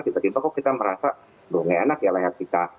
tiba tiba kok kita merasa loh nggak enak ya layar kita